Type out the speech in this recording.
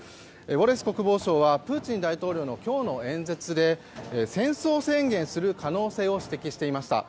ウォレス国防相はプーチン大統領の今日の演説で戦争宣言する可能性を指摘していました。